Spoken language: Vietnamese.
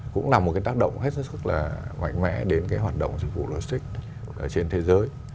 cũng là một cái tác động hết sức là mạnh mẽ đến cái hoạt động dịch vụ logistics trên thế giới